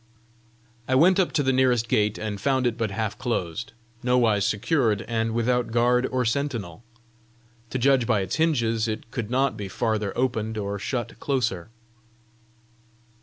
I went up to the nearest gate, and found it but half closed, nowise secured, and without guard or sentinel. To judge by its hinges, it could not be farther opened or shut closer.